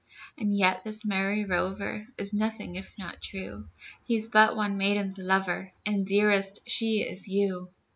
And yet this merry rover Is nothing if not true, He's but one maiden's lover, And, dearest, she is you.